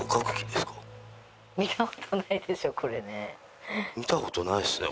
見たことないっすね